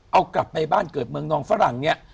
เอากลับไปบ้านเกิดเมืองนองฝรั่งเนี่ย